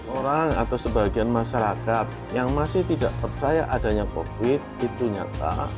orang atau sebagian masyarakat yang masih tidak percaya adanya covid itu nyata